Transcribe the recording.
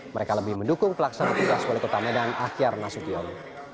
mereka lebih mendukung pelaksana tugas wali kota medan akhir nasution